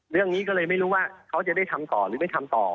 เรื่องนี้ก็เลยไม่รู้ว่าเขาจะได้ทำต่อหรือไม่ทำต่อ